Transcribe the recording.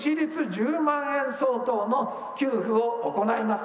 １０万円相当の給付を行います。